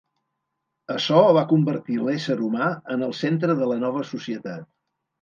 Açò va convertir l'ésser humà en el centre de la nova societat.